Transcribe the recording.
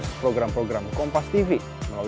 apakah mereka akan menang